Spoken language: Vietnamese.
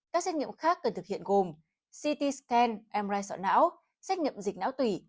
các xét nghiệm khác cần thực hiện gồm ct scan mri sọ não xét nghiệm dịch não tủy